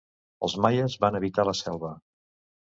Els maies van habitar la selva.